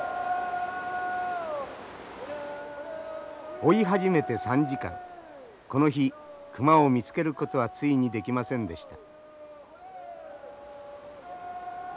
追い始めて３時間この日熊を見つけることはついにできませんでした。